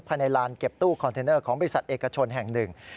ภายในลานเก็บตู้คอนเทนเนอร์ของบริษัทเอกชนแห่งหนึ่ง